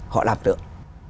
họ làm tượng